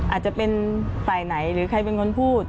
อาจจะเป็นฝ่ายไหนหรือใครเป็นคนพูด